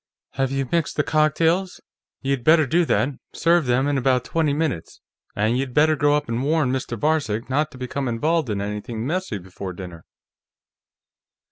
"Have you mixed the cocktails? You'd better do that. Serve them in about twenty minutes. And you'd better go up and warn Mr. Varcek not to become involved in anything messy before dinner."